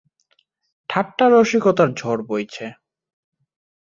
ঠাট্টা রসিকতার ঝড় বইছে।